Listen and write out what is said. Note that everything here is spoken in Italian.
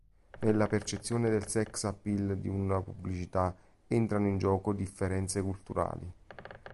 Nella percezione del sex-appeal di una pubblicità entrano in gioco differenze culturali.